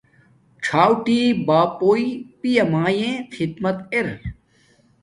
څوٹی باپوݵ پیا مایے خدمت ارا